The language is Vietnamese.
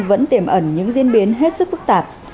vẫn tiềm ẩn những diễn biến hết sức phức tạp